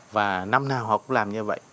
và năm nào họ cũng làm như vậy